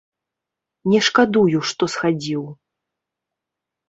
Не шкадую, што схадзіў.